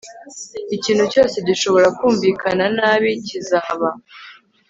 Ikintu cyose gishobora kumvikana nabi kizaba